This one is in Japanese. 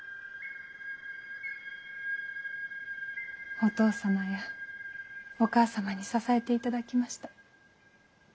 ・お義父様やお義母様に支えていただきました。